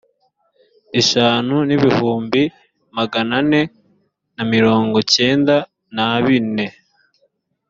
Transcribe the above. eshanu n’ibihumbi magana ane na mirongo cyenda na bine